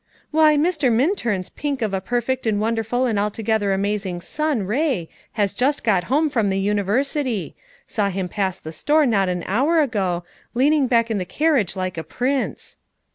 "Why, Mr. Minturn's pink of a perfect and wonderful and altogether amazing son Ray has just got home from the University; saw him pass the store not an hour ago, leaning back in the carriage like a prince."